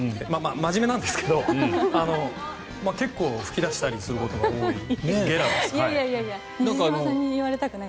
真面目なんですけど、結構吹き出したりすることが多い。